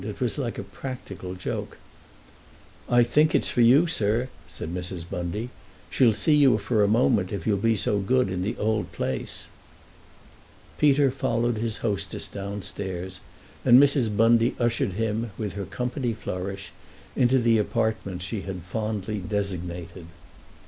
It was like a practical joke. "I think it's for you, sir," said Mrs. Bundy. "She'll see you for a moment, if you'll be so good, in the old place." Peter followed his hostess downstairs, and Mrs. Bundy ushered him, with her company flourish, into the apartment she had fondly designated.